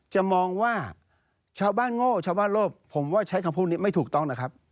จะมองว่าชาวบ้านโง่ชาวบ้านโลภผมว่าใช้คำพูดนี้ไม่ถูกต้องนะครับ